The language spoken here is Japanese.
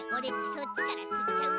そっちからつっちゃう！